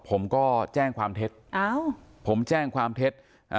ผมก็แจ้งความเท็จผมแจ้งความเท็จ